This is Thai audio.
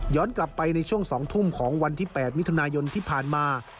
กลับไปในช่วง๒ทุ่มของวันที่๘มิถุนายนที่ผ่านมา